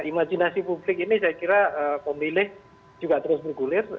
imajinasi publik ini saya kira pemilih juga terus bergulir